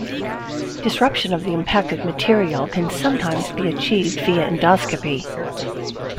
Disruption of the impacted material can sometimes be achieved via endoscopy.